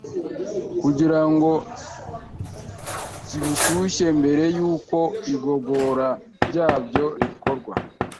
kugira ngo kibishyushe mbere y’uko igogora ryabyo rikorwa.